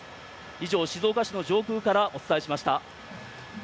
以上、静岡市の上空からお伝えしました。